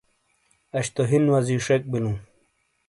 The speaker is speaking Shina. اش تو ہن وزی شک بیلو ۔